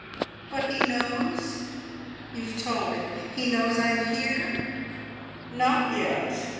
"But he knows? You have told him. He knows I am here?" "Not yet.